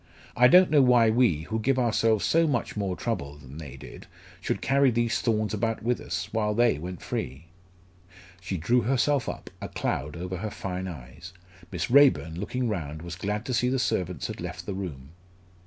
I don't know why we, who give ourselves so much more trouble than they did, should carry these thorns about with us, while they went free." She drew herself up, a cloud over her fine eyes. Miss Raeburn, looking round, was glad to see the servants had left the room.